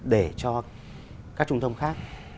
để cho các trung tâm khác